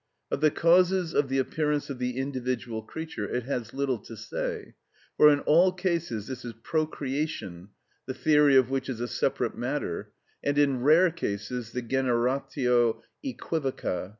Of the causes of the appearance of the individual creature it has little to say, for in all cases this is procreation (the theory of which is a separate matter), and in rare cases the generatio æquivoca.